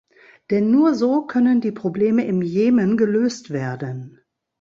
Denn nur so können die Probleme im Jemen gelöst werden.